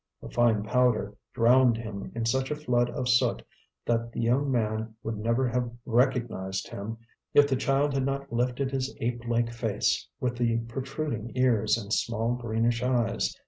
A fine powder drowned him in such a flood of soot that the young man would never have recognized him if the child had not lifted his ape like face, with the protruding ears and small greenish eyes.